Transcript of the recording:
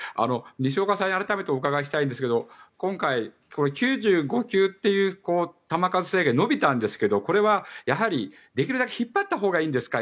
西岡さんに改めてお伺いしたいんですけど今回９５球という球数制限伸びたんですけどこれはできるだけ引っ張ったほうがいいんですか？